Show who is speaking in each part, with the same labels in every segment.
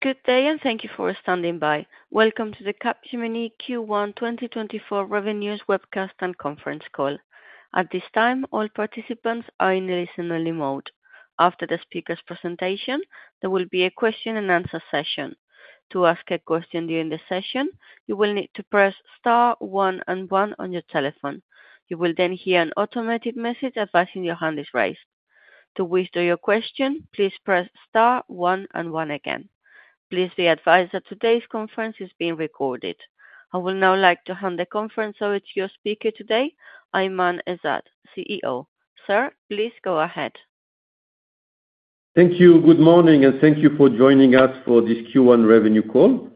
Speaker 1: Good day, and thank you for standing by. Welcome to the Capgemini Q1 2024 Revenues Webcast and Conference Call. At this time, all participants are in listen-only mode. After the speaker's presentation, there will be a question and answer session. To ask a question during the session, you will need to press star one and one on your telephone. You will then hear an automated message advising your hand is raised. To withdraw your question, please press star one and one again. Please be advised that today's conference is being recorded. I would now like to hand the conference over to your speaker today, Aiman Ezzat, CEO. Sir, please go ahead.
Speaker 2: Thank you. Good morning, and thank you for joining us for this Q1 revenue call.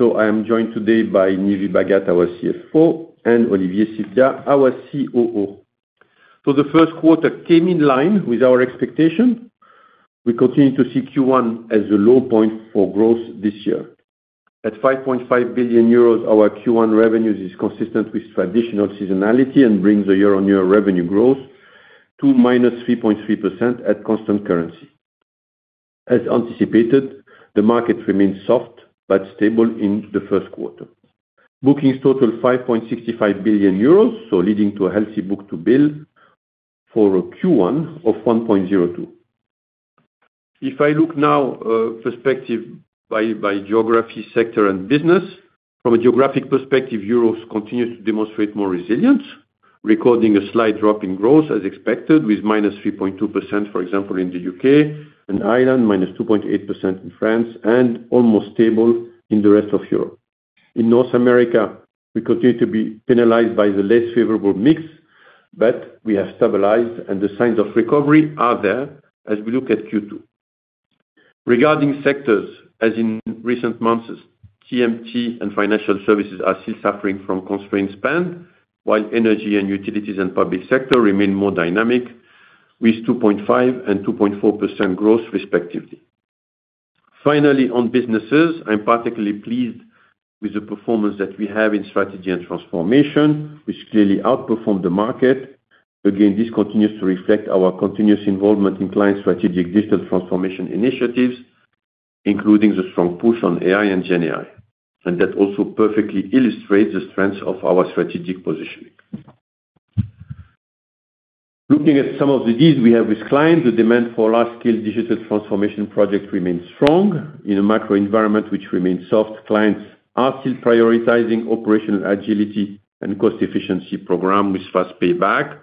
Speaker 2: I am joined today by Nive Bhagat, our CFO, and Olivier Sevillia, our COO. The first quarter came in line with our expectation. We continue to see Q1 as the low point for growth this year. At 5.5 billion euros, our Q1 revenues is consistent with traditional seasonality and brings a year-on-year revenue growth to minus 3.3% at constant currency. As anticipated, the market remains soft but stable in the first quarter. Bookings totaled 5.65 billion euros, so leading to a healthy book-to-bill for a Q1 of 1.02. If I look now, perspective by geography, sector, and business, from a geographic perspective, Europe continues to demonstrate more resilience, recording a slight drop in growth as expected, with minus 3.2%, for example, in the U.K. and Ireland, minus 2.8% in France and almost stable in the rest of Europe. In North America, we continue to be penalized by the less favorable mix, but we have stabilized and the signs of recovery are there as we look at Q2. Regarding sectors, as in recent months, TMT and financial services are still suffering from constrained spend, while energy and utilities and public sector remain more dynamic, with 2.5% and 2.4% growth, respectively. Finally, on businesses, I'm particularly pleased with the performance that we have in strategy and transformation, which clearly outperformed the market. Again, this continues to reflect our continuous involvement in client strategic digital transformation initiatives, including the strong push on AI and GenAI. That also perfectly illustrates the strength of our strategic positioning. Looking at some of the deals we have with clients, the demand for large-scale digital transformation projects remains strong. In a macro environment, which remains soft, clients are still prioritizing operational agility and cost efficiency program with fast payback,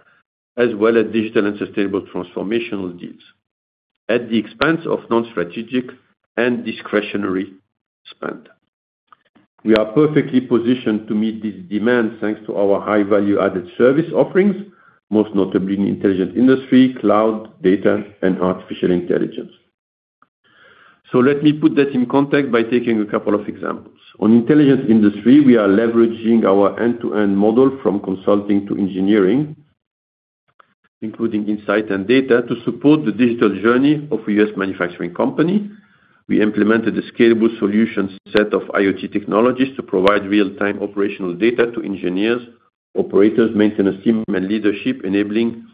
Speaker 2: as well as digital and sustainable transformational deals, at the expense of non-strategic and discretionary spend. We are perfectly positioned to meet this demand, thanks to our high-value-added service offerings, most notably in Intelligent Industry, cloud, data, and Artificial Intelligence. Let me put that in context by taking a couple of examples. On Intelligent Industry, we are leveraging our end-to-end model from consulting to engineering, including insight and data, to support the digital journey of a U.S. manufacturing company. We implemented a scalable solution set of IoT technologies to provide real-time operational data to engineers, operators, maintenance team, and leadership, enabling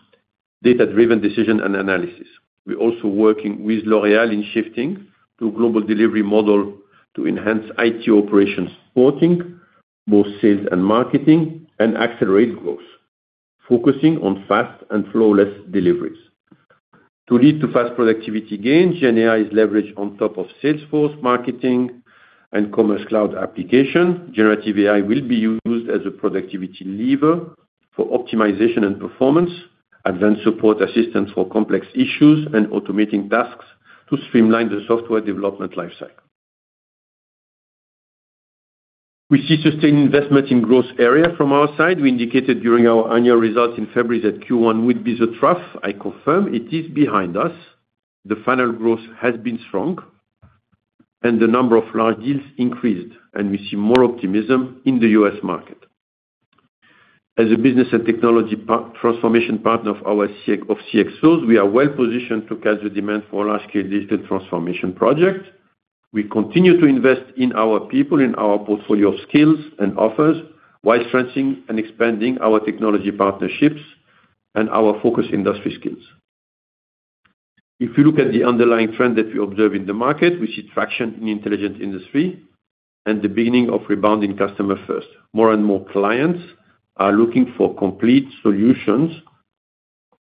Speaker 2: data-driven decision and analysis. We're also working with L'Oréal in shifting to a global delivery model to enhance IT operations, supporting both sales and Marketing, and accelerate growth, focusing on fast and flawless deliveries. To lead to fast productivity gains, GenAI is leveraged on top of Salesforce, Marketing, and Commerce Cloud application. Generative AI will be used as a productivity lever for optimization and performance, and then support assistance for complex issues and automating tasks to streamline the software development lifecycle. We see sustained investment in growth area from our side. We indicated during our annual results in February that Q1 would be the trough. I confirm it is behind us. The final growth has been strong, and the number of large deals increased, and we see more optimism in the U.S. market. As a business and technology transformation partner of our CX, of CXOs, we are well positioned to catch the demand for large-scale digital transformation projects. We continue to invest in our people, in our portfolio of skills and offers, while strengthening and expanding our technology partnerships and our focus industry skills. If you look at the underlying trend that we observe in the market, we see traction in Intelligent Industry and the beginning of rebounding Customer First. More and more clients are looking for complete solutions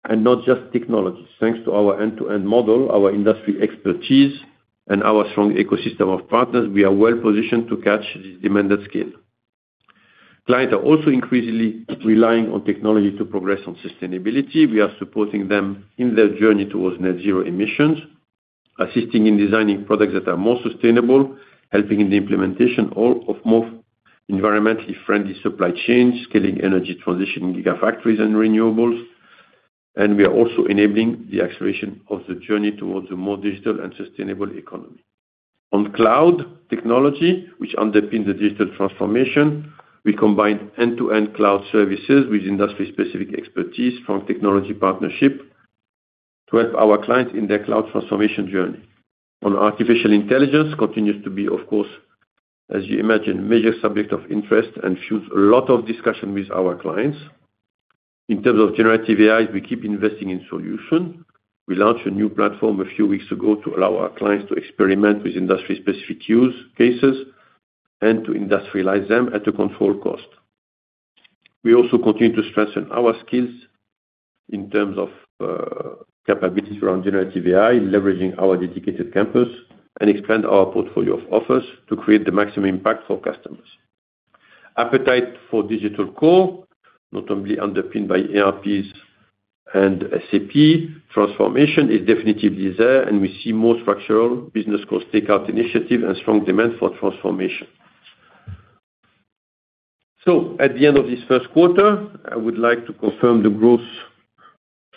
Speaker 2: and not just technology. Thanks to our end-to-end model, our industry expertise, and our strong ecosystem of partners, we are well positioned to catch this demanded scale. Clients are also increasingly relying on technology to progress on sustainability. We are supporting them in their journey towards net zero emissions, assisting in designing products that are more sustainable, helping in the implementation all of more environmentally friendly supply chains, scaling energy transition, gigafactories and renewables, and we are also enabling the acceleration of the journey towards a more digital and sustainable economy. On cloud technology, which underpins the digital transformation, we combine end-to-end cloud services with industry-specific expertise from technology partnership to help our clients in their cloud transformation journey. On Artificial Intelligence continues to be, of course, as you imagine, major subject of interest and fuels a lot of discussion with our clients.... In terms of Generative AIs, we keep investing in solution. We launched a new platform a few weeks ago to allow our clients to experiment with industry-specific use cases and to industrialize them at a controlled cost. We also continue to strengthen our skills in terms of capabilities around Generative AI, leveraging our dedicated campus, and expand our portfolio of offers to create the maximum impact for customers. Appetite for digital core, notably underpinned by ERPs and SAP transformation, is definitively there, and we see more structural business cost takeout initiative and strong demand for transformation. So at the end of this first quarter, I would like to confirm the growth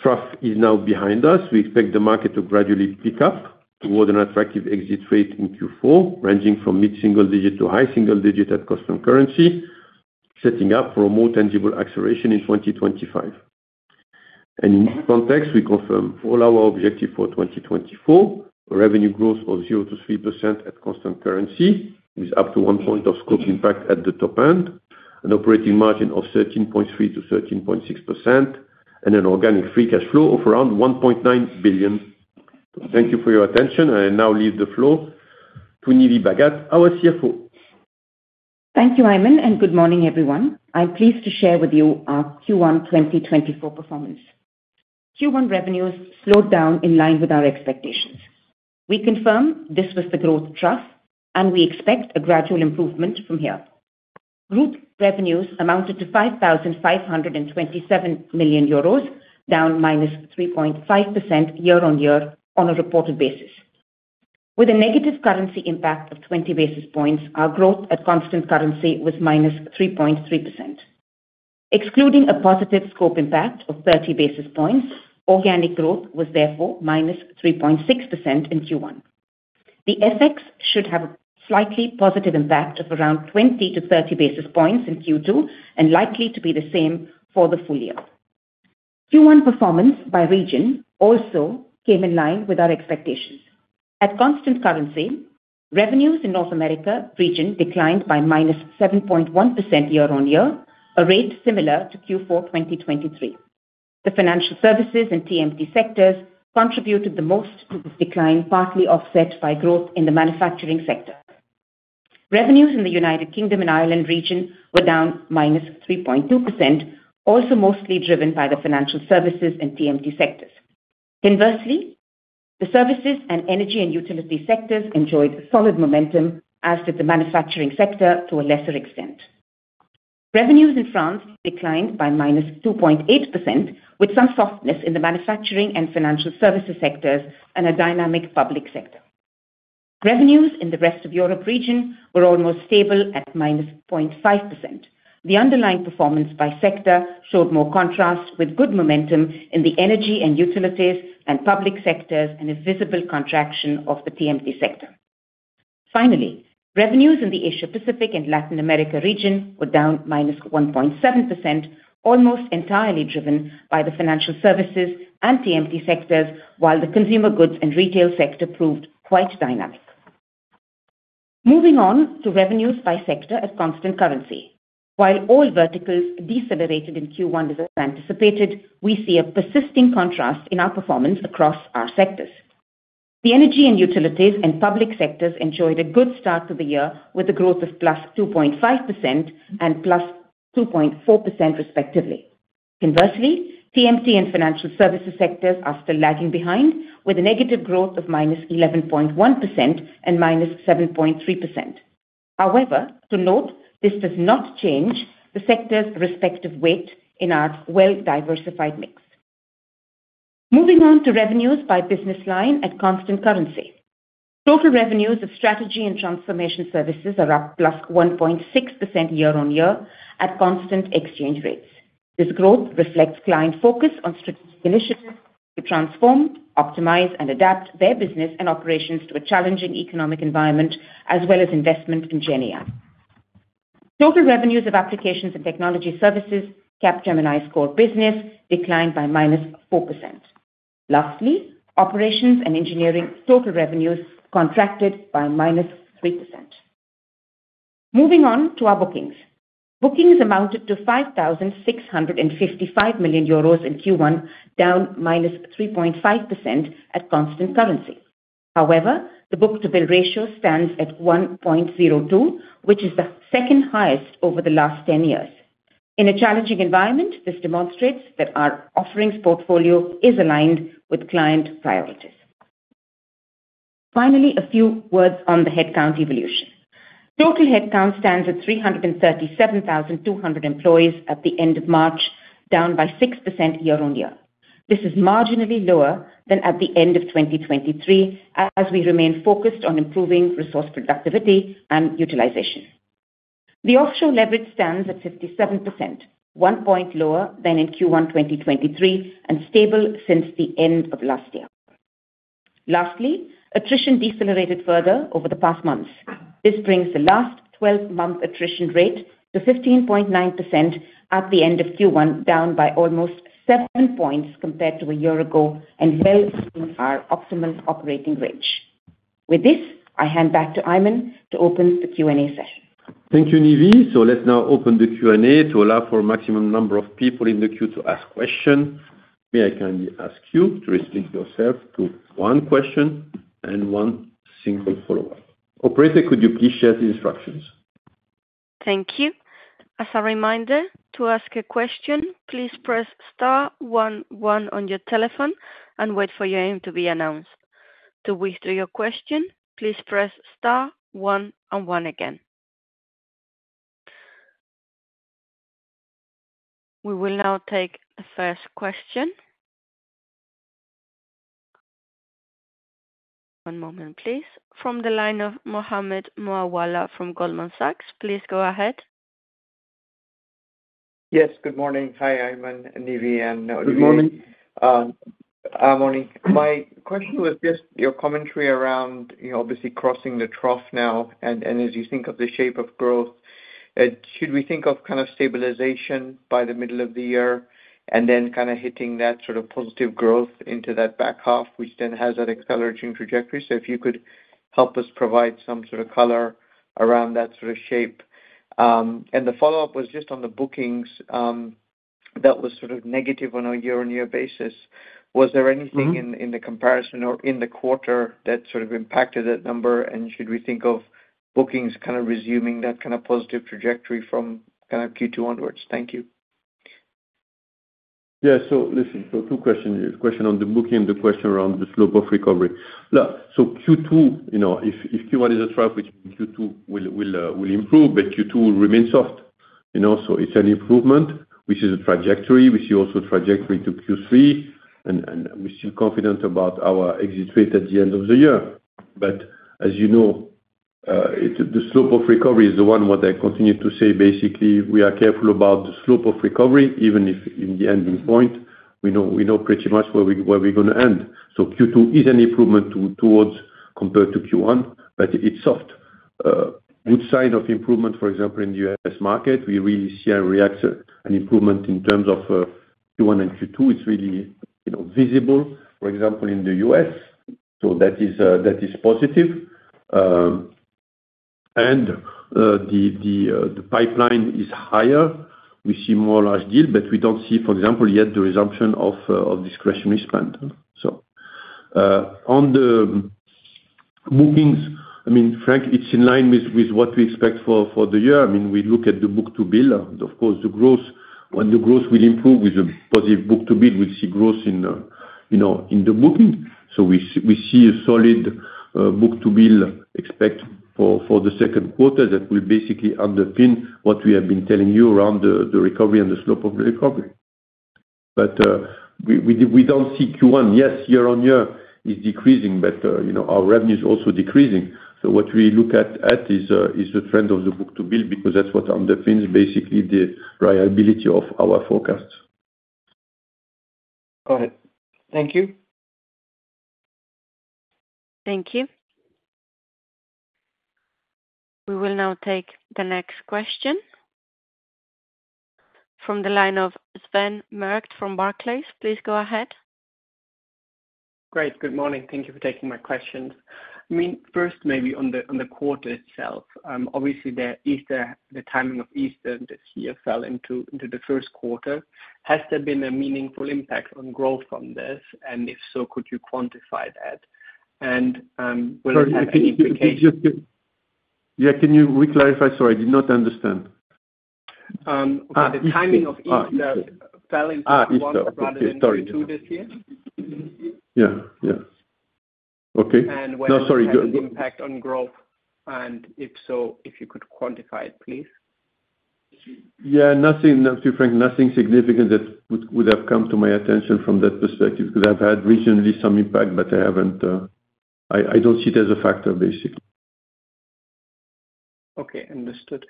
Speaker 2: trough is now behind us. We expect the market to gradually pick up toward an attractive exit rate in Q4, ranging from mid-single-digit to high single-digit at constant currency, setting up for a more tangible acceleration in 2025. In this context, we confirm all our objective for 2024, revenue growth of 0%-3% at constant currency plus up to 1 point of scope impact at the top end, an operating margin of 13.3%-13.6%, and an organic free cash flow of around 1.9 billion. Thank you for your attention. I now leave the floor to Nive Bhagat, our CFO.
Speaker 3: Thank you, Aiman, and good morning, everyone. I'm pleased to share with you our Q1 2024 performance. Q1 revenues slowed down in line with our expectations. We confirm this was the growth trough, and we expect a gradual improvement from here. Group revenues amounted to 5,527 million euros, down minus 3.5% year-on-year on a reported basis. With a negative currency impact of 20 basis points, our growth at constant currency was minus 3.3%. Excluding a positive scope impact of 30 basis points, organic growth was therefore minus 3.6% in Q1. The FX should have a slightly positive impact of around 20-30 basis points in Q2 and likely to be the same for the full year. Q1 performance by region also came in line with our expectations. At constant currency, revenues in North America region declined by minus 7.1% year-on-year, a rate similar to Q4 2023. The financial services and TMT sectors contributed the most to this decline, partly offset by growth in the manufacturing sector. Revenues in the United Kingdom and Ireland region were down minus 3.2%, also mostly driven by the financial services and TMT sectors. Inversely, the services and energy and utility sectors enjoyed solid momentum, as did the manufacturing sector to a lesser extent. Revenues in France declined by minus 2.8%, with some softness in the manufacturing and financial services sectors and a dynamic public sector. Revenues in the rest of Europe region were almost stable at minus 0.5%. The underlying performance by sector showed more contrast, with good momentum in the energy and utilities and public sectors, and a visible contraction of the TMT sector. Finally, revenues in the Asia Pacific and Latin America region were down minus 1.7%, almost entirely driven by the financial services and TMT sectors, while the consumer goods and retail sector proved quite dynamic. Moving on to revenues by sector at constant currency. While all verticals decelerated in Q1 as anticipated, we see a persisting contrast in our performance across our sectors. The energy and utilities and public sectors enjoyed a good start to the year, with a growth of plus 2.5% and plus 2.4%, respectively. Inversely, TMT and financial services sectors are still lagging behind, with a negative growth of minus 11.1% and minus 7.3%. However, to note, this does not change the sector's respective weight in our well-diversified mix. Moving on to revenues by business line at constant currency. Total revenues of strategy and transformation services are up plus 1.6% year-on-year at constant exchange rates. This growth reflects client focus on strategic initiatives to transform, optimize, and adapt their business and operations to a challenging economic environment, as well as investment in GenAI. Total revenues of applications and technology services, Capgemini's core business, declined by minus 4%. Lastly, operations and engineering total revenues contracted by minus 3%. Moving on to our bookings. Bookings amounted to 5,655 million euros in Q1, down minus 3.5% at constant currency. However, the book-to-bill ratio stands at 1.02, which is the second highest over the last 10 years. In a challenging environment, this demonstrates that our offerings portfolio is aligned with client priorities. Finally, a few words on the headcount evolution. Total headcount stands at 337,200 employees at the end of March, down by 6% year-on-year. This is marginally lower than at the end of 2023, as we remain focused on improving resource productivity and utilization. The offshore leverage stands at 57%, 1 point lower than in Q1 2023 and stable since the end of last year. Lastly, attrition decelerated further over the past months. This brings the last twelve-month attrition rate to 15.9% at the end of Q1, down by almost 7 points compared to a year ago and well within our optimal operating range.... With this, I hand back to Aiman to open the Q&A session.
Speaker 2: Thank you, Nive. So let's now open the Q&A to allow for the maximum number of people in the queue to ask a question. May I kindly ask you to restrict yourself to one question and one single follow-up. Operator, could you please share the instructions?
Speaker 1: Thank you. As a reminder, to ask a question, please press star one one on your telephone and wait for your name to be announced. To withdraw your question, please press star one and one again. We will now take the first question. One moment, please. From the line of Mohammed Moawalla from Goldman Sachs, please go ahead.
Speaker 4: Yes, good morning. Hi, Aiman, Nive, and-
Speaker 2: Good morning.
Speaker 4: Morning. My question was just your commentary around, you know, obviously crossing the trough now, and as you think of the shape of growth, should we think of kind of stabilization by the middle of the year, and then kind of hitting that sort of positive growth into that back half, which then has that accelerating trajectory? So if you could help us provide some sort of color around that sort of shape. And the follow-up was just on the bookings, that was sort of negative on a year-on-year basis.
Speaker 2: Mm-hmm.
Speaker 4: Was there anything in the comparison or in the quarter that sort of impacted that number? And should we think of bookings kind of resuming that kind of positive trajectory from kind of Q2 onwards? Thank you.
Speaker 2: Yeah. So listen, so two questions, question on the bookings, the question around the slope of recovery. Look, so Q2, you know, if Q1 is a trough, Q2 will improve, but Q2 will remain soft. You know, so it's an improvement, which is a trajectory. We see also trajectory to Q3, and we're still confident about our exit rate at the end of the year. But as you know, the slope of recovery is the one what I continue to say, basically, we are careful about the slope of recovery, even if in the ending point, we know pretty much where we're gonna end. So Q2 is an improvement towards compared to Q1, but it's soft. Good sign of improvement, for example, in the U.S. market, we really see and react an improvement in terms of Q1 and Q2. It's really, you know, visible, for example, in the U.S., so that is, that is positive. And the pipeline is higher. We see more large deal, but we don't see, for example, yet, the resumption of of discretionary spend. So on the bookings, I mean, frankly, it's in line with what we expect for the year. I mean, we look at the book-to-bill, of course, the growth, when the growth will improve with a positive book-to-bill, we'll see growth in, you know, in the booking. So we see a solid book-to-bill expected for the second quarter that will basically underpin what we have been telling you around the recovery and the slope of the recovery. But we don't see Q1, yes, year-on-year is decreasing, but you know, our revenue is also decreasing. So what we look at is the trend of the book-to-bill, because that's what underpins basically the reliability of our forecasts.
Speaker 4: Got it. Thank you.
Speaker 1: Thank you. We will now take the next question from the line of Sven Merkt from Barclays. Please go ahead.
Speaker 5: Great, Good morning. Thank you for taking my questions. I mean, first, maybe on the, on the quarter itself, obviously, the Easter, the timing of Easter this year fell into, into the first quarter. Has there been a meaningful impact on growth from this? And if so, could you quantify that? And, will it have any implication-
Speaker 2: Yeah, can you reclarify? Sorry, I did not understand.
Speaker 5: Um-
Speaker 2: Ah, Easter...
Speaker 5: The timing of Easter-
Speaker 2: Ah, Easter
Speaker 5: fell into Q1
Speaker 2: Ah, Easter. Okay, sorry.
Speaker 5: rather than Q2 this year.
Speaker 2: Yeah. Yeah. Okay.
Speaker 5: And whether-
Speaker 2: No, sorry, go, go.
Speaker 5: It had an impact on growth, and if so, if you could quantify it, please?
Speaker 2: Yeah, nothing, to be frank, nothing significant that would have come to my attention from that perspective, because I've had recently some impact, but I haven't. I don't see it as a factor, basically.
Speaker 5: Okay, understood.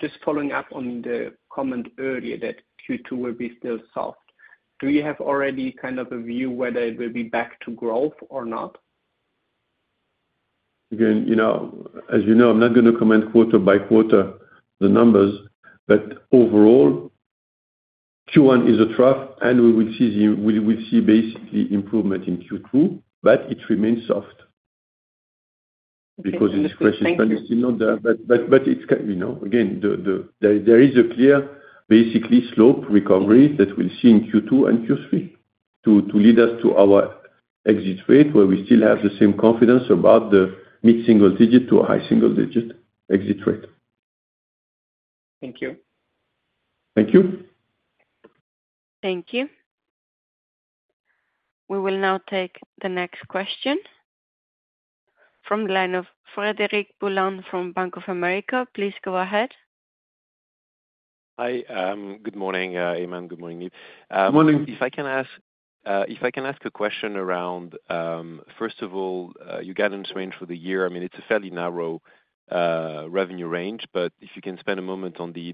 Speaker 5: Just following up on the comment earlier that Q2 will be still soft, do you have already kind of a view whether it will be back to growth or not?
Speaker 2: Again, you know, as you know, I'm not gonna comment quarter by quarter the numbers, but overall, Q1 is a trough, and we'll see basically improvement in Q2, but it remains soft because-
Speaker 5: Okay, thank you....
Speaker 2: discretionary spend is still not there. But it's kind of, you know. Again, there is a clear, basically, slow recovery that we'll see in Q2 and Q3 to lead us to our exit rate, where we still have the same confidence about the mid-single digit to a high single digit exit rate.
Speaker 5: Thank you.
Speaker 2: Thank you.
Speaker 1: Thank you. We will now take the next question from the line of Frédéric Boulan from Bank of America. Please go ahead.
Speaker 6: Hi, good morning, Aiman, good morning, Nive.
Speaker 2: Good morning.
Speaker 6: If I can ask a question around, first of all, your guidance range for the year, I mean, it's a fairly narrow revenue range, but if you can spend a moment on the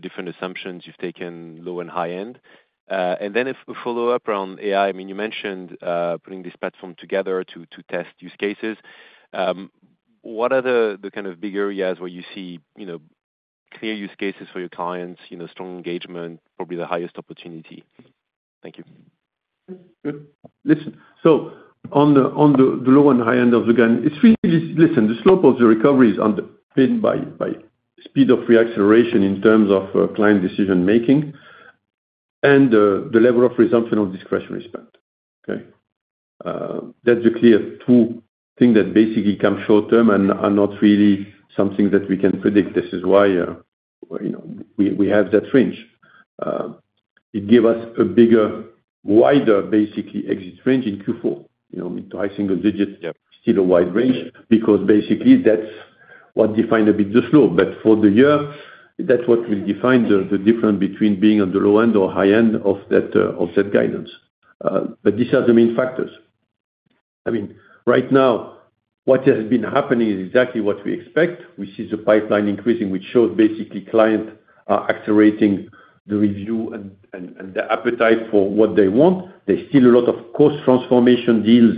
Speaker 6: different assumptions you've taken, low and high end. And then if a follow-up around AI, I mean, you mentioned putting this platform together to test use cases. What are the kind of big areas where you see, you know, clear use cases for your clients, you know, strong engagement, probably the highest opportunity. Thank you.
Speaker 2: Good. Listen, so on the low and high end of the gain, it's really, listen, the slope of the recovery is underpinned by speed of re-acceleration in terms of client decision making and the level of resumption of discretionary spend, okay? That's a clear two thing that basically come short-term and are not really something that we can predict. This is why, you know, we have that range. It give us a bigger, wider, basically, exit range in Q4, you know, high single digits-
Speaker 6: Yeah.
Speaker 2: Still a wide range, because basically, that's what define a bit the slope. But for the year, that's what will define the difference between being on the low end or high end of that guidance. But these are the main factors. I mean, right now, what has been happening is exactly what we expect. We see the pipeline increasing, which shows basically clients are accelerating the review and the appetite for what they want. There's still a lot of cost transformation deals,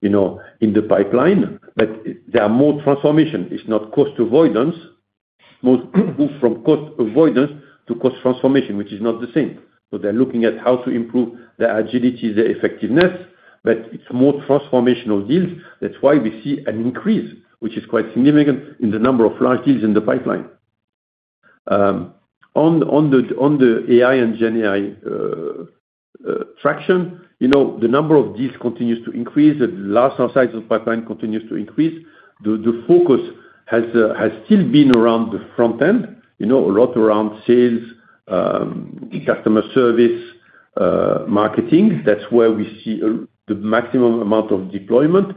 Speaker 2: you know, in the pipeline, but there are more transformation. It's not cost avoidance, most move from cost avoidance to cost transformation, which is not the same. So they're looking at how to improve their agility, their effectiveness, but it's more transformational deals. That's why we see an increase, which is quite significant, in the number of large deals in the pipeline. On the AI and GenAI traction, you know, the number of deals continues to increase. The last size of pipeline continues to increase. The focus has still been around the front end, you know, a lot around sales, customer service, Marketing. That's where we see the maximum amount of deployment.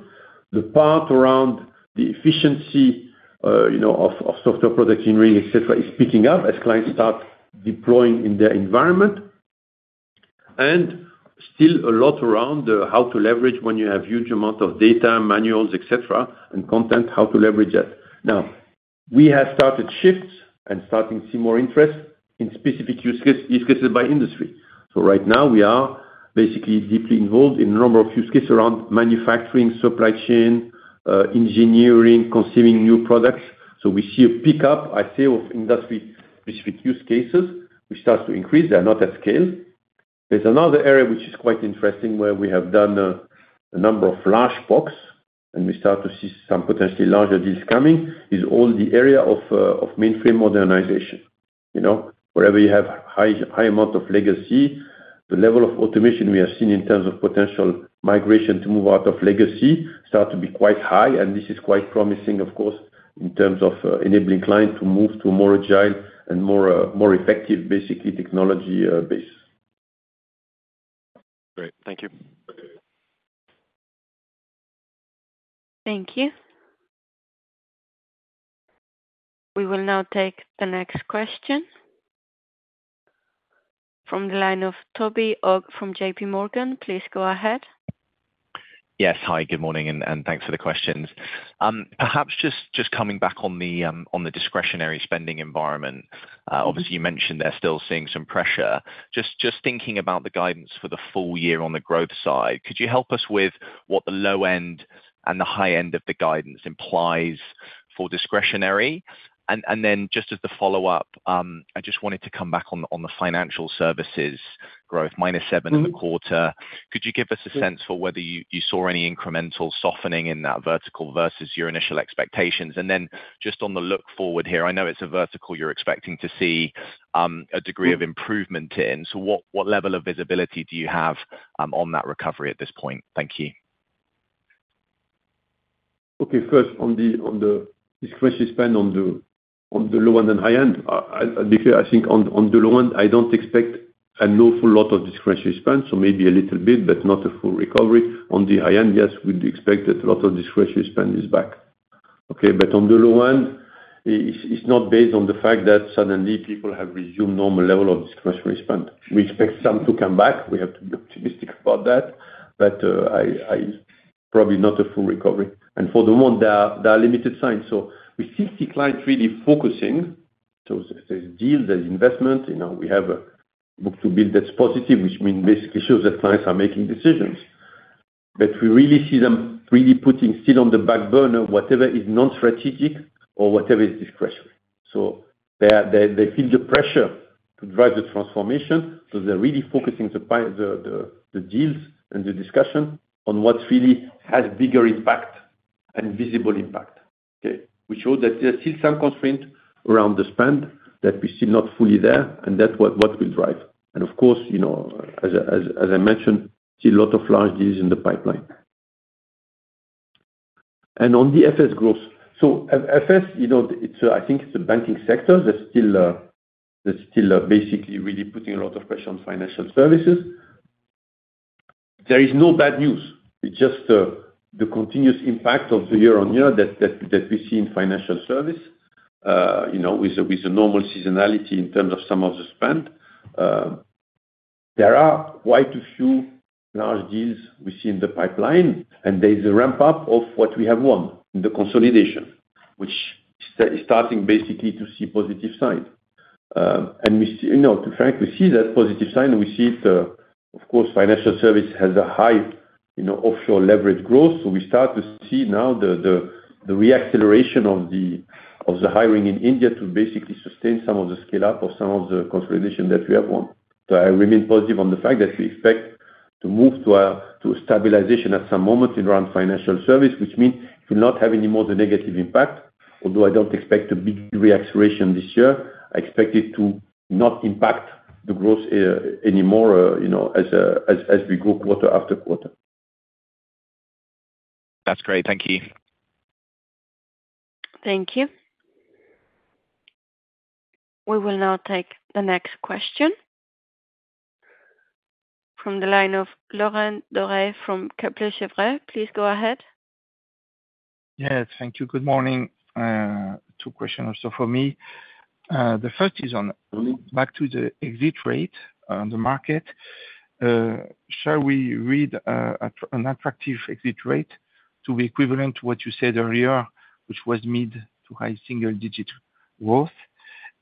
Speaker 2: The part around the efficiency, you know, of software product engineering, et cetera, is picking up as clients start deploying in their environment. And still a lot around how to leverage when you have huge amount of data, manuals, etc., and content, how to leverage that. Now, we have started shifts and starting to see more interest in specific use cases by industry. So right now we are basically deeply involved in a number of use cases around manufacturing, supply chain, engineering, consuming new products. So we see a pickup, I say, of industry-specific use cases, which starts to increase. They are not at scale. There's another area which is quite interesting, where we have done a number of large POCs, and we start to see some potentially larger deals coming, is all the area of mainframe modernization. You know, wherever you have high, high amount of legacy, the level of automation we have seen in terms of potential migration to move out of legacy start to be quite high, and this is quite promising, of course, in terms of enabling client to move to a more agile and more effective, basically, technology base.
Speaker 6: Great. Thank you.
Speaker 1: Thank you. We will now take the next question. From the line of Toby Ogg from JPMorgan. Please go ahead.
Speaker 7: Yes. Hi, good morning, and thanks for the questions. Perhaps just coming back on the discretionary spending environment. Obviously, you mentioned they're still seeing some pressure. Just thinking about the guidance for the full year on the growth side, could you help us with what the low end and the high end of the guidance implies for discretionary? And then just as a follow-up, I just wanted to come back on the financial services growth, minus 7 in the quarter.
Speaker 2: Mm-hmm.
Speaker 7: Could you give us a sense for whether you saw any incremental softening in that vertical versus your initial expectations? And then just on the look forward here, I know it's a vertical you're expecting to see a degree of improvement in-
Speaker 2: Mm.
Speaker 7: So what, what level of visibility do you have on that recovery at this point? Thank you.
Speaker 2: Okay. First, on the discretionary spend, on the low end and high end, I believe, I think on the low end, I don't expect an awful lot of discretionary spend, so maybe a little bit, but not a full recovery. On the high end, yes, we do expect that a lot of discretionary spend is back. Okay, but on the low end, it's not based on the fact that suddenly people have resumed normal level of discretionary spend. We expect some to come back. We have to be optimistic about that, but, probably not a full recovery. And for the moment, there are limited signs. So we see the client really focusing, so there's deals, there's investment, you know, we have a book-to-bill that's positive, which means basically shows that clients are making decisions. But we really see them really putting still on the back burner, whatever is non-strategic or whatever is discretionary. So they feel the pressure to drive the transformation, so they're really focusing the deals and the discussion on what really has bigger impact and visible impact. Okay, which shows that there are still some constraint around the spend, that we're still not fully there, and that what will drive. And of course, you know, as I mentioned, still a lot of large deals in the pipeline. And on the FS growth. So FS, you know, it's I think it's the banking sector that's still that's still basically really putting a lot of pressure on financial services. There is no bad news, it's just the continuous impact of the year-on-year that we see in financial service, you know, with the normal seasonality in terms of some of the spend. There are quite a few large deals we see in the pipeline, and there's a ramp up of what we have won in the consolidation, which starting basically to see positive signs. And we see, you know, to Frank, we see that positive sign, and we see it, of course, financial service has a high, you know, offshore leverage growth. So we start to see now the re-acceleration of the hiring in India to basically sustain some of the scale-up or some of the consolidation that we have won. So I remain positive on the fact that we expect to move to a stabilization at some moment in and around financial services, which means to not have any more of the negative impact. Although I don't expect a big re-acceleration this year, I expect it to not impact the growth anymore, you know, as we grow quarter after quarter.
Speaker 7: That's great. Thank you.
Speaker 1: Thank you. We will now take the next question from the line of Laurent Daure from Kepler Cheuvreux. Please go ahead.
Speaker 8: Yes, thank you. Good morning. Two questions also for me. The first is on back to the exit rate, the market. Shall we read an attractive exit rate to be equivalent to what you said earlier, which was mid to high single digit growth?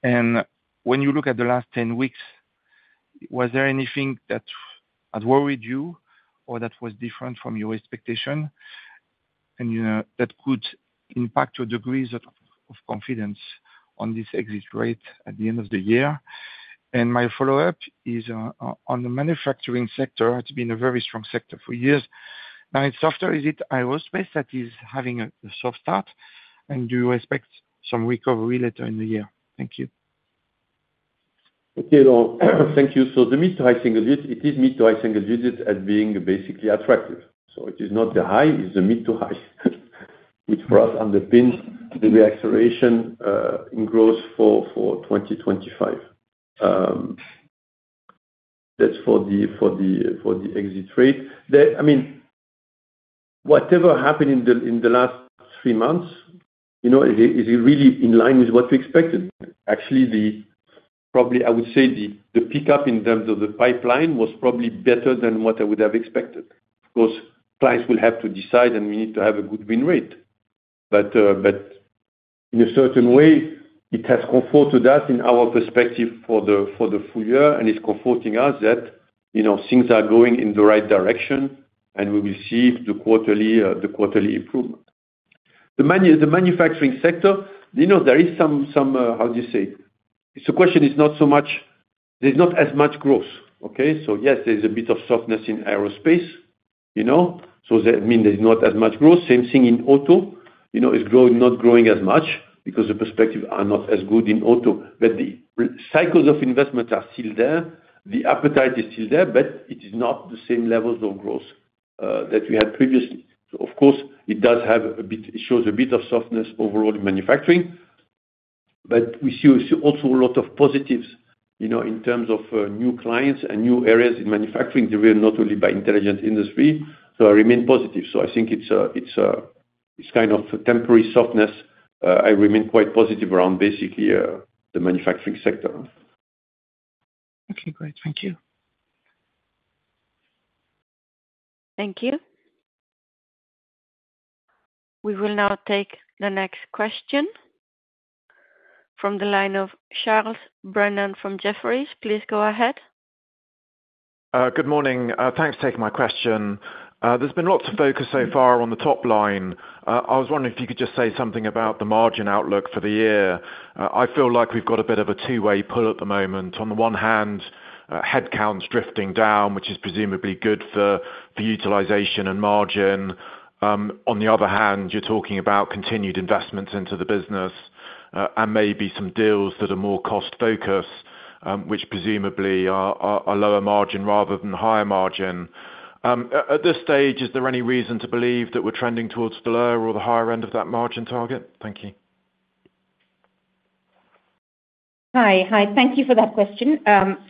Speaker 8: And when you look at the last 10 weeks, was there anything that has worried you or that was different from your expectation, and, you know, that could impact your degrees of confidence on this exit rate at the end of the year? And my follow-up is on the manufacturing sector. It's been a very strong sector for years. Now, it's softer, is it aerospace that is having a soft start, and do you expect some recovery later in the year? Thank you.
Speaker 2: Okay, Laurent. Thank you. So the mid to high single digit, it is mid to high single digit as being basically attractive. So it is not the high, it's the mid to high, which for us underpins the re-acceleration in growth for 2025. That's for the exit rate. I mean, whatever happened in the last three months, you know, is really in line with what we expected. Actually, probably, I would say, the pickup in terms of the pipeline was probably better than what I would have expected. Of course, clients will have to decide, and we need to have a good win rate. But in a certain way, it has comforted us in our perspective for the full year, and it's comforting us that, you know, things are going in the right direction, and we will see the quarterly improvement. The manufacturing sector, you know, there is some question is not so much, there's not as much growth, okay? So yes, there's a bit of softness in aerospace, you know, so that mean there's not as much growth. Same thing in auto, you know, it's growing, not growing as much because the perspective are not as good in auto. But the cycles of investments are still there. The appetite is still there, but it is not the same levels of growth that we had previously. So of course, it does have a bit; it shows a bit of softness overall in manufacturing, but we see, we see also a lot of positives, you know, in terms of new clients and new areas in manufacturing, driven not only by Intelligent Industry. So I remain positive. So I think it's a, it's a, it's kind of a temporary softness. I remain quite positive around basically the manufacturing sector.
Speaker 8: Okay, great. Thank you.
Speaker 1: Thank you. We will now take the next question from the line of Charles Brennan from Jefferies. Please go ahead.
Speaker 9: Good morning. Thanks for taking my question. There's been lots of focus so far on the top line. I was wondering if you could just say something about the margin outlook for the year. I feel like we've got a bit of a two-way pull at the moment. On the one hand, headcounts drifting down, which is presumably good for the utilization and margin. On the other hand, you're talking about continued investments into the business, and maybe some deals that are more cost-focused, which presumably are lower margin rather than higher margin. At this stage, is there any reason to believe that we're trending towards the lower or the higher end of that margin target? Thank you.
Speaker 3: Hi, hi. Thank you for that question.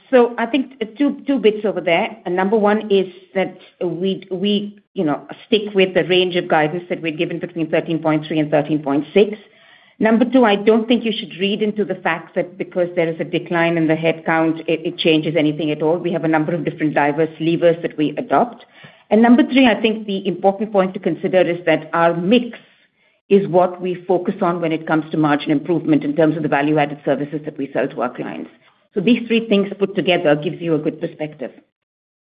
Speaker 3: So I think two bits over there. Number one is that we, you know, stick with the range of guidance that we've given between 13.3 and 13.6. Number two, I don't think you should read into the fact that because there is a decline in the headcount, it changes anything at all. We have a number of different diverse levers that we adopt. Number three, I think the important point to consider is that our mix is what we focus on when it comes to margin improvement in terms of the value-added services that we sell to our clients. So these three things put together gives you a good perspective.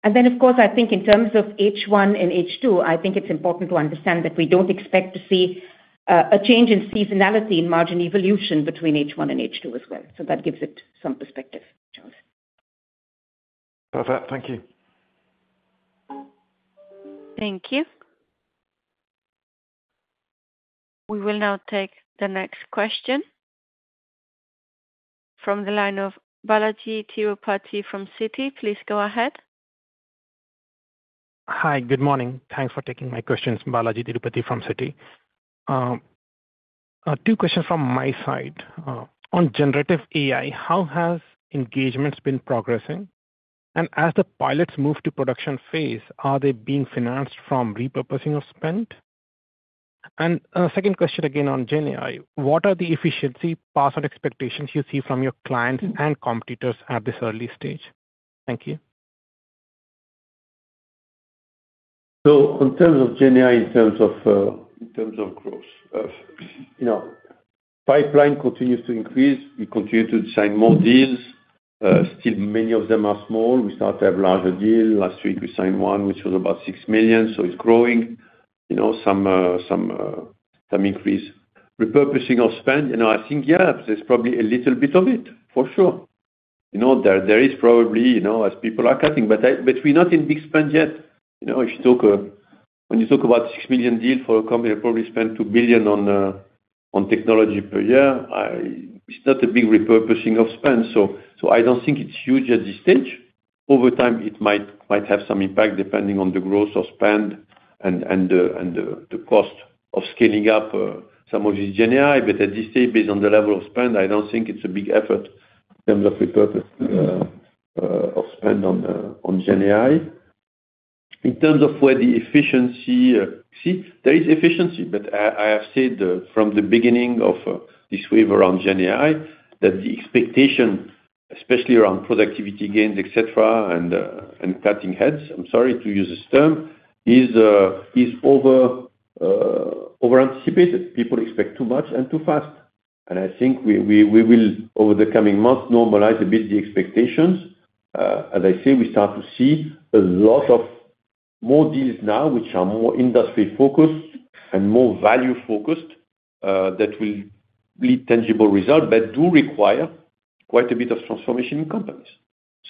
Speaker 3: And then, of course, I think in terms of H1 and H2, I think it's important to understand that we don't expect to see a change in seasonality in margin evolution between H1 and H2 as well. So that gives it some perspective, Charles.
Speaker 9: Perfect. Thank you.
Speaker 1: Thank you. We will now take the next question from the line of Balajee Tirupati from Citi. Please go ahead.
Speaker 10: Hi, good morning. Thanks for taking my questions. Balajee Tirupati from Citi. Two questions from my side. On Generative AI, how has engagements been progressing? And as the pilots move to production phase, are they being financed from repurposing of spend? And, second question again on GenAI, what are the efficiency and productivity expectations you see from your clients and competitors at this early stage? Thank you.
Speaker 2: So in terms of GenAI, in terms of growth, you know, pipeline continues to increase. We continue to sign more deals. Still many of them are small. We start to have larger deal. Last week, we signed one, which was about 6 million, so it's growing, you know, some increase. Repurposing of spend, you know, I think, yeah, there's probably a little bit of it, for sure. You know, there is probably, you know, as people are cutting, but we're not in big spend yet. You know, When you talk about 6 million deal for a company that probably spend 2 billion on technology per year, it's not a big repurposing of spend, so I don't think it's huge at this stage. Over time, it might have some impact, depending on the growth of spend and the cost of scaling up some of this GenAI. But at this stage, based on the level of spend, I don't think it's a big effort in terms of repurpose of spend on GenAI. In terms of where the efficiency, see, there is efficiency, but I have said from the beginning of this wave around GenAI, that the expectation, especially around productivity gains, et cetera, and cutting heads, I'm sorry to use this term, is over-anticipated. People expect too much and too fast. And I think we will, over the coming months, normalize a bit the expectations. As I say, we start to see a lot of more deals now, which are more industry-focused and more value-focused, that will lead tangible result, but do require quite a bit of transformation in companies.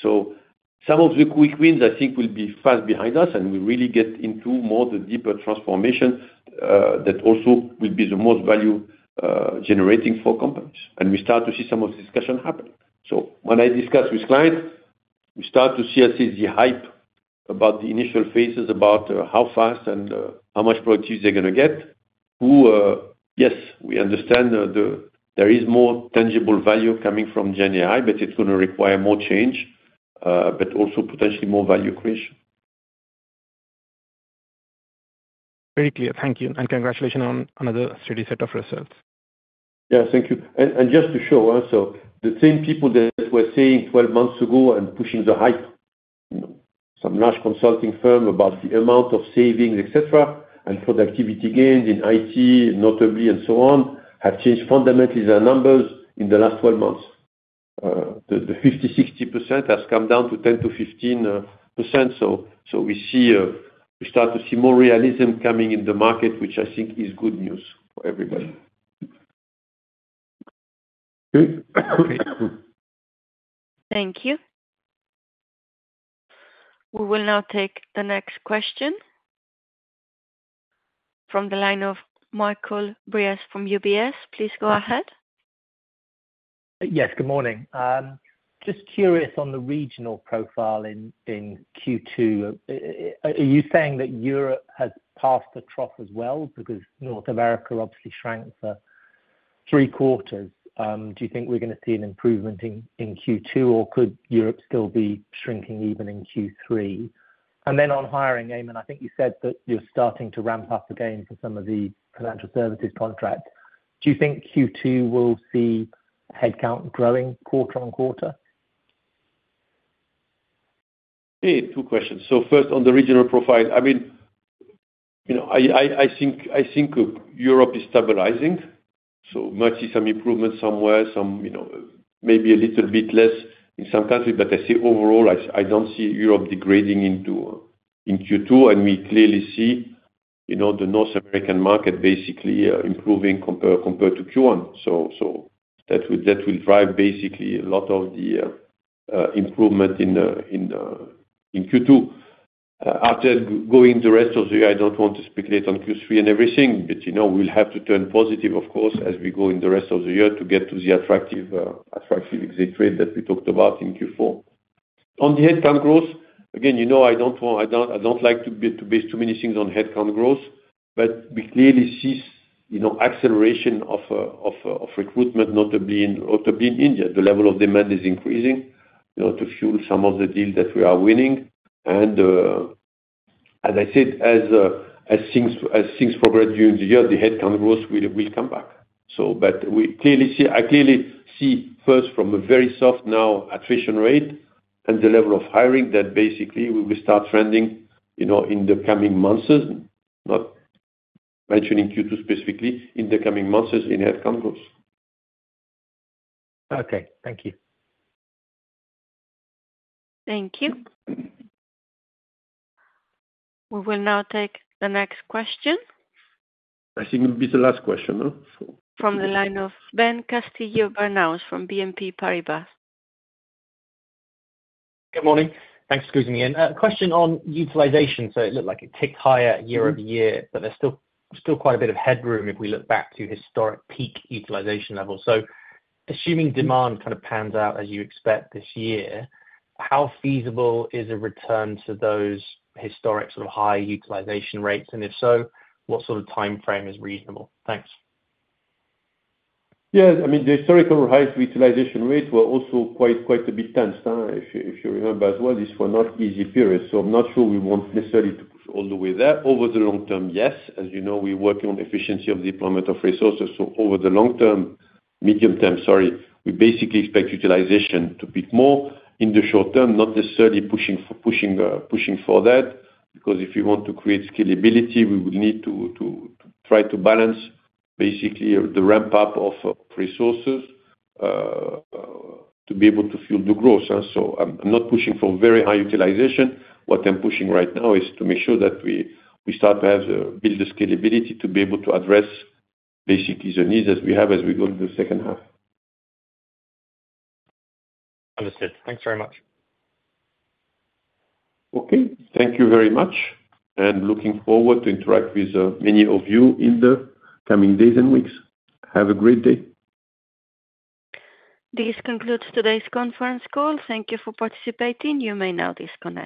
Speaker 2: So some of the quick wins, I think, will be fast behind us, and we really get into more the deeper transformation, that also will be the most value, generating for companies. And we start to see some of this discussion happening. So when I discuss with clients, we start to see, I say, the hype about the initial phases, about, how fast and, how much productivity they're gonna get. Yes, we understand the, there is more tangible value coming from GenAI, but it's gonna require more change, but also potentially more value creation.
Speaker 10: Very clear. Thank you, and congratulations on another steady set of results.
Speaker 2: Yeah, thank you. And, and just to show, so the same people that were saying 12 months ago and pushing the hype, you know, some large consulting firm about the amount of savings, et cetera, and productivity gains in IT, notably, and so on, have changed fundamentally their numbers in the last 12 months. The 50%-60% has come down to 10%-15%. So, so we see, we start to see more realism coming in the market, which I think is good news for everybody.
Speaker 1: Thank you. We will now take the next question from the line of Michael Briest from UBS. Please go ahead.
Speaker 11: Yes, good morning. Just curious on the regional profile in Q2. Are you saying that Europe has passed the trough as well? Because North America obviously shrank for three quarters. Do you think we're gonna see an improvement in Q2, or could Europe still be shrinking even in Q3? And then on hiring, Aiman, I think you said that you're starting to ramp up again for some of the financial services contracts. Do you think Q2 will see headcount growing quarter on quarter?
Speaker 2: Yeah, two questions. So first, on the regional profile, I mean, you know, I think Europe is stabilizing, so might see some improvement somewhere, some, you know, maybe a little bit less in some countries. But I see overall, I don't see Europe degrading in Q2, and we clearly see, you know, the North American market basically improving compared to Q1. So that will drive basically a lot of the improvement in Q2. After going the rest of the year, I don't want to speculate on Q3 and everything, but, you know, we'll have to turn positive, of course, as we go in the rest of the year to get to the attractive exit rate that we talked about in Q4. On the headcount growth, again, you know, I don't want to base too many things on headcount growth, but we clearly see, you know, acceleration of recruitment, notably in India. The level of demand is increasing, you know, to fuel some of the deals that we are winning, and, as I said, as things progress during the year, the headcount growth will come back. But we clearly see. I clearly see first from a very soft now attrition rate and the level of hiring, that basically we start trending, you know, in the coming months, not mentioning Q2 specifically, in the coming months in headcount growth.
Speaker 11: Okay, thank you.
Speaker 1: Thank you. We will now take the next question.
Speaker 2: I think it will be the last question, so-
Speaker 1: From the line of Ben Castillo-Bernaus from BNP Paribas.
Speaker 12: Good morning. Thanks for squeezing me in. A question on utilization. So it looked like it ticked higher year over year, but there's still, still quite a bit of headroom if we look back to historic peak utilization levels. So assuming demand kind of pans out as you expect this year, how feasible is a return to those historic sort of high utilization rates? And if so, what sort of timeframe is reasonable? Thanks.
Speaker 2: Yeah, I mean, the historical highest utilization rates were also quite, quite a bit tense, if you remember as well. These were not easy periods, so I'm not sure we want necessarily to push all the way there. Over the long term, yes. As you know, we're working on efficiency of deployment of resources, so over the long term, medium term, sorry, we basically expect utilization to be more. In the short term, not necessarily pushing for that, because if you want to create scalability, we would need to try to balance basically the ramp up of resources to be able to fuel the growth. So I'm not pushing for very high utilization. What I'm pushing right now is to make sure that we start to build the scalability to be able to address basically the needs that we have as we go into the second half.
Speaker 12: Understood. Thanks very much.
Speaker 2: Okay, thank you very much, and looking forward to interact with many of you in the coming days and weeks. Have a great day.
Speaker 1: This concludes today's conference call. Thank you for participating. You may now disconnect.